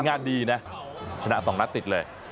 งานดีนะชนะ๒นัดติดเลย